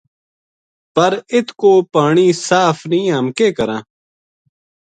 پر اِت کو پانی صاف نیہہ ہم کے کراں ؟